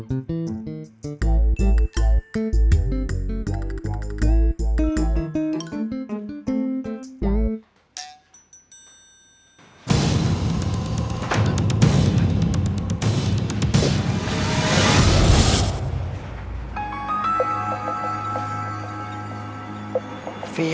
เฟีย